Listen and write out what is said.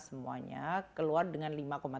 semuanya keluar dengan